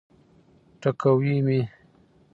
ټکوي مي.